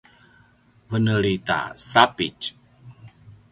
veneli ta sapitj